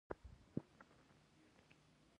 کوم څه غواړئ؟